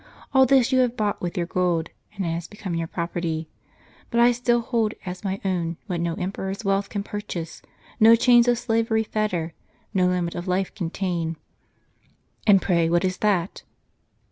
All this you have bought with your gold, and it has become your property. But I still hold as my OAvn what no emperor's wealth can purchase, no chains of slavery fetter, no limit of life contain." " And pray what is that?